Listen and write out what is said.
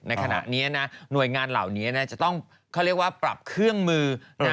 ในขณะนี้นะหน่วยงานเหล่านี้จะต้องเขาเรียกว่าปรับเครื่องมือ